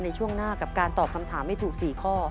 ในช่วงหน้ากับการตอบคำถามให้ถูก๔ข้อ